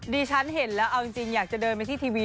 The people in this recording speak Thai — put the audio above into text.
ฉันเห็นแล้วเอาจริงอยากจะเดินไปที่ทีวี